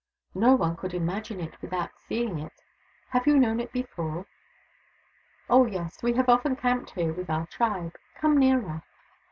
No one could imagine it without seeing it. Have you known it before ?"" Oh, yes. We have often camped here with our tribe. Come nearer."